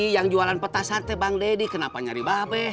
yang jualan petasan bang deddy kenapa nyari bape